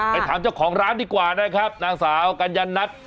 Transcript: ถามเจ้าของร้านดีกว่านะครับนางสาวกัญญนัท